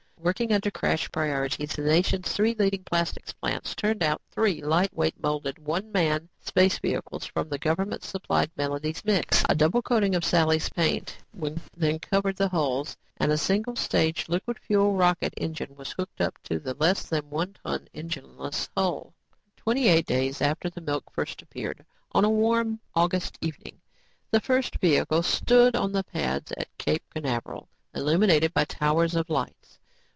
Working under crash priorities, the nation's three leading plastics plants turned out three, lightweight, molded, one man space vehicles from the government supplied Melody's Mix. A double coating of Sally's Paint then covered the hulls and a single stage liquid fuel rocket engine was hooked to the less than one ton engineless hull. Twenty eight days after the milk first appeared, on a warm August evening, the first vehicle stood on the pads at Cape Canaveral, illuminated by towers of lights.